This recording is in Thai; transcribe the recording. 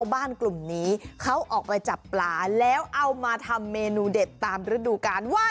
บ้านกลุ่มนี้เขาออกไปจับปลาแล้วเอามาทำเมนูเด็ดตามฤดูกาลว่า